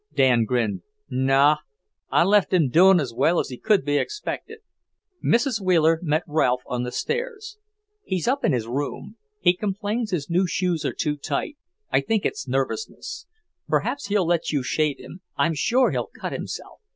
Dan grinned. "Naw. I left him doin' as well as could be expected." Mrs. Wheeler met Ralph on the stairs. "He's up in his room. He complains his new shoes are too tight. I think it's nervousness. Perhaps he'll let you shave him; I'm sure he'll cut himself.